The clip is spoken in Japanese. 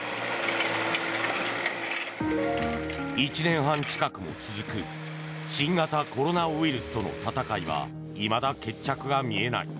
１年半近くも続く新型コロナウイルスとの闘いはいまだ決着が見えない。